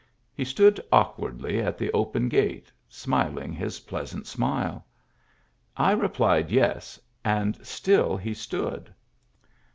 He stood awkwardly at the open gate, smiling his pleasant smile. I replied yes, and still he stood.